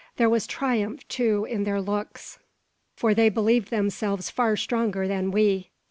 There was triumph, too, in their looks, for, they believed themselves far stronger than we.